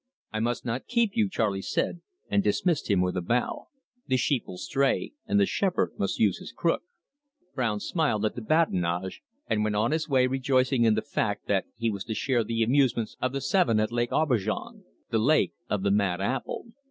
"I must not keep you," Charley said, and dismissed him with a bow. "The sheep will stray, and the shepherd must use his crook." Brown smiled at the badinage, and went on his way rejoicing in the fact that he was to share the amusements of the Seven at Lake Aubergine the Lake of the Mad Apple.